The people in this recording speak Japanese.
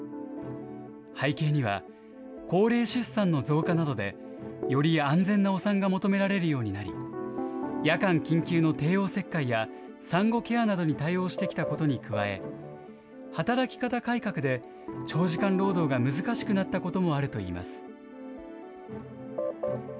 背景には、高齢出産の増加などで、より安全なお産が求められるようになり、夜間緊急の帝王切開や、産後ケアなどに対応してきたことに加え、働き方改革で長時間労働が難しくなったこともあるといいます。